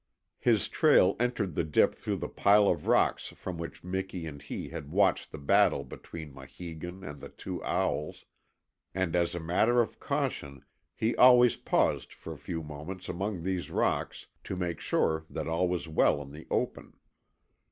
His trail entered the dip through the pile of rocks from which Miki and he had watched the battle between Maheegun and the two owls, and as a matter of caution he always paused for a few moments among these rocks to make sure that all was well in the open.